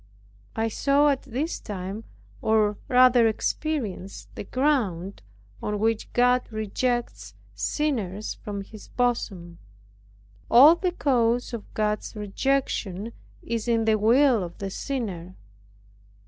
I saw at this time, or rather experienced the ground on which God rejects sinners from His bosom. All the cause of God's rejection is in the will of the sinner.